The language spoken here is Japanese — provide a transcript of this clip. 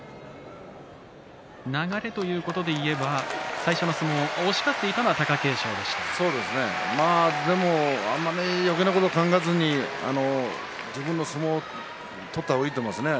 流れということでいえば最初の相撲、押し勝っていたのはでもあまりよけいなことを考えずに自分の相撲を取った方がいいと思いますね。